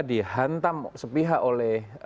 dihantam sepihak oleh